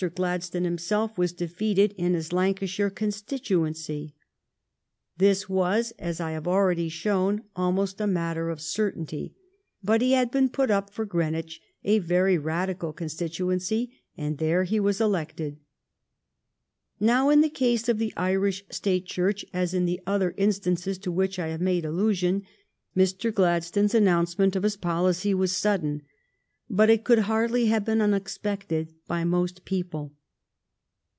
Gladstone himself was defeated in his Lancashire constituency. This was, as I have already shown, almost a matter of 270 THE STORY OF GLADSTONE'S LIFE certainty, but he had been put up for Greenwich, a very Radical constituency, and there he was elected. Now, in the case of the Irish State Church, as in the other instances to which I have made allusion, Mr. Gladstone's announce ment of his policy was sudden, but it could hardly have been unexpected by most people.